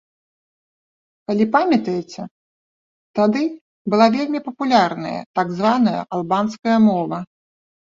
Калі памятаеце, тады была вельмі папулярная так званая албанская мова.